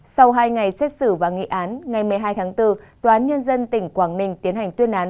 sau hai ngày xét xử và nghị án ngày một mươi hai tháng bốn tòa án nhân dân tỉnh quảng ninh tiến hành tuyên án